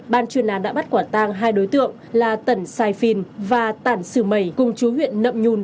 ban chuyên án đã bắt quả tang hai đối tượng là tần sai phin và tản sử mầy cùng chú huyện nậm nhun